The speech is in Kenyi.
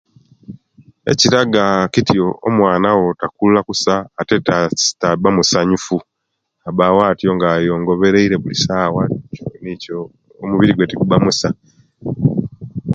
Ekiraga kityo omwaana wo takuula kusa ate taaba musanyufu abawo tyo nga yongobereiire buli saawa nikyo omubirigwe teguba musa.